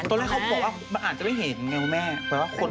ตอนแรกเขาบอกว่ามันอาจจะไม่เห็นไงคุณแม่